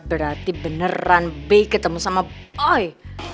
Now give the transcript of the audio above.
berarti beneran b ketemu sama boy